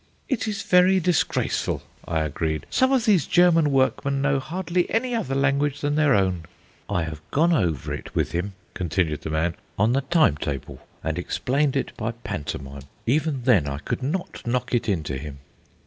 "It is very disgraceful," I agreed. "Some of these German workmen know hardly any other language than their own." "I have gone over it with him," continued the man, "on the time table, and explained it by pantomime. Even then I could not knock it into him."